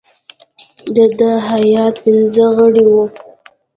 د دې هیات پنځه غړي وه.